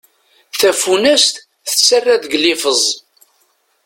Tafunast tettarra deg liffeẓ.